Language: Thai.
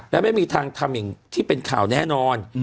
และไม่มีทางทำอย่างที่เป็นข่าวแน่นอน